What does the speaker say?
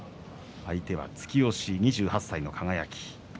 相手は突き押し、２８歳の輝。